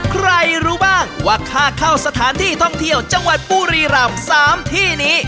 รู้บ้างว่าค่าเข้าสถานที่ท่องเที่ยวจังหวัดบุรีรำ๓ที่นี้